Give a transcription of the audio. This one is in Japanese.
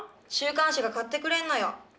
週刊誌が買ってくれるのよ。